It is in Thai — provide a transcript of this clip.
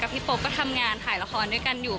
พี่โป๊ปก็ทำงานถ่ายละครด้วยกันอยู่